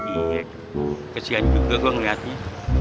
iya kesian juga gue ngeliatnya